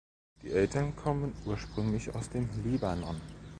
Die Eltern kommen ursprünglich aus dem Libanon.